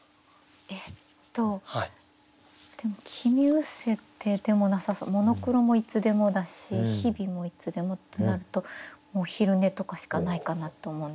えっとでも「君失せて」でもなさそう「モノクロ」もいつでもだし「日々」もいつでもとなるともう「昼寝」とかしかないかなと思うんですけど。